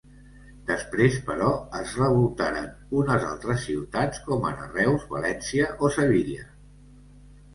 Després, però, es revoltaren unes altres ciutats com ara Reus, València o Sevilla.